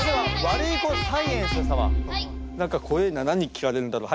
何か怖えな何聞かれるんだろう？